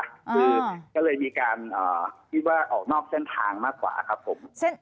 คือก็เลยมีการคิดว่าออกนอกเส้นทางมากกว่าครับผม